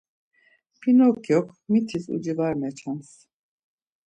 Pinokyok mitis uci var meçams.